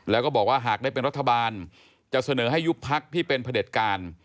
แล้วก็บอกว่าหากได้เป็นรัฐบาลจะเสนอให้ยุบพักที่เป็นพระเด็จการ